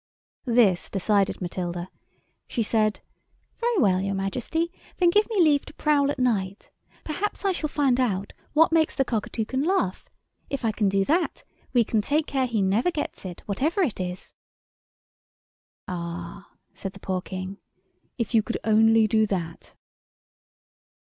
This decided Matilda. She said, "Very well, your Majesty, then give me leave to prowl at night. Perhaps I shall find out what makes the Cockatoucan laugh; if I can do that, we can take care he never gets it, whatever it is." "Ah!" said the poor King, "if you could only do that."